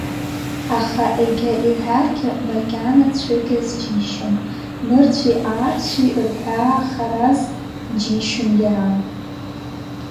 Аха егьа иҳәаргьы макьана цәыкьаз џьишьон, Нырцәи-аарцәи рҳәаа хараз џьишьон иара.